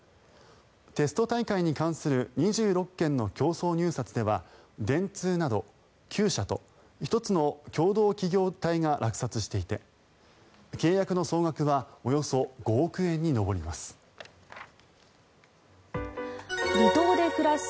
テスト大会に関する２６件の競争入札では電通など９社と１つの共同企業体が落札していて契約の総額はおよそ５億円に上ります。